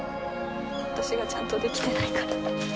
私がちゃんとできてないから。